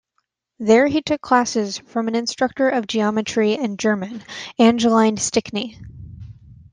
There he took classes from an instructor of geometry and German, Angeline Stickney.